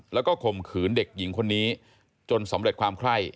แล้วก็ข่มขืนเด็กหญิงคนนี้จนสำเร็จความไข้